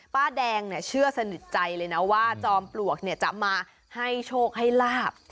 ป้าแดงเนี่ยเชื่อสนิทใจเลยนะว่าจอมปลวกจะมาให้โชคให้ลาบ